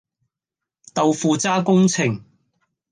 豆腐渣工程